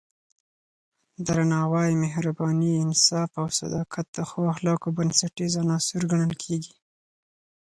درناوی، مهرباني، انصاف او صداقت د ښو اخلاقو بنسټیز عناصر ګڼل کېږي.